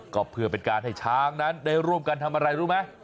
ก็เพื่อเป็นการให้ช้างนั้นได้ร่วมกันทำอะไรรู้ไหม